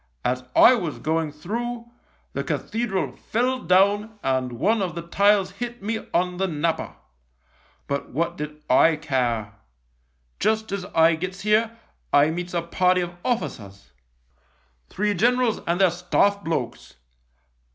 As I was going through, the cathedral fell down and one of the tiles hit me on the napper. But what did I care ? Just as I gets here I meets a party of officers — three THE LIEUTENANT 21 generals and their Staff blokes.